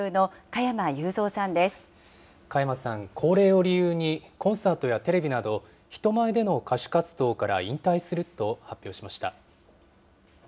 加山さん、高齢を理由にコンサートやテレビなど、人前での歌手活動から引退すると発表しました。